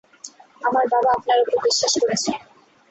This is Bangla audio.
আমার বাবা আপনার ওপর বিশ্বাস করেছিল।